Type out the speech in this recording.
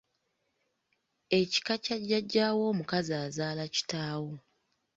Ekika kya Jjaajjaawo omukazi azaala kitaawo.